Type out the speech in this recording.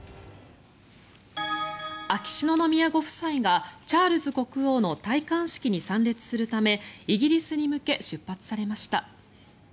秋篠宮ご夫妻がチャールズ国王の戴冠式に参列するためイギリスに向け出発されました。